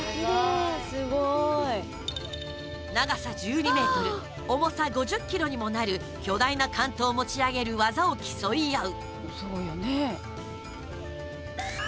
長さ１２ｍ重さ５０ｋｇにもなる巨大な竿燈を持ち上げる技を競い合う。